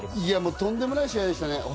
とんでもない試合でした。